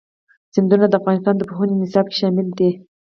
سیندونه د افغانستان د پوهنې نصاب کې شامل دي.